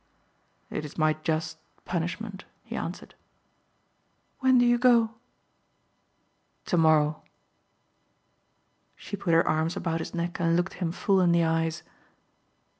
"It is my just punishment," he answered. "When do you go?" "Tomorrow." She put her arms about his neck and looked him full in the eyes.